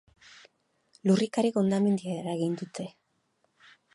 Lurrikarek hondamendia eragin dute.